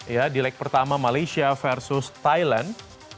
ya di leg pertama malaysia versus thailand